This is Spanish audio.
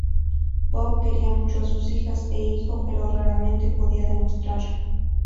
Bob quería mucho a sus hijas e hijo, pero raramente podía demostrarlo.